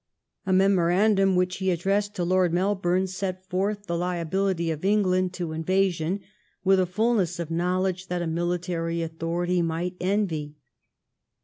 A memorandum which he addressed to Lord Melboarnej set forth the liability of England to invasion with a fulness of knowledge diat a military authority might envy.